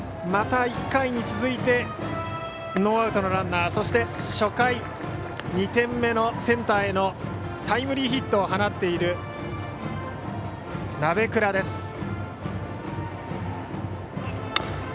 また１回に続いてノーアウトのランナーそして、初回２点目のセンターへのタイムリーヒットを放っている鍋倉です。